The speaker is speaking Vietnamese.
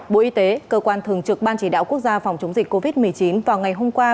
bộ y tế cơ quan thường trực ban chỉ đạo quốc gia phòng chống dịch covid một mươi chín vào ngày hôm qua